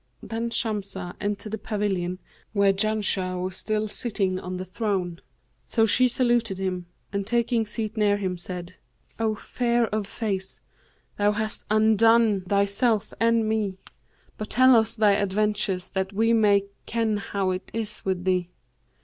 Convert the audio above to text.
Then Shamsah entered the pavilion, where Janshah was still sitting on the throne; so she saluted him and taking seat near him, said, 'O fair of face, thou hast undone thyself and me; but tell us thy adventures that we may ken how it is with thee.'